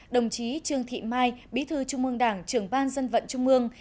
đồng chí trương thị mai bí thư trung mương đảng trưởng ban dân vận trung mương